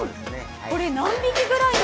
これ何匹ぐらいの？